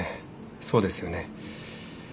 そうですよね。